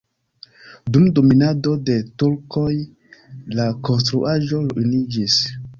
Dum dominado de turkoj la konstruaĵo ruiniĝis.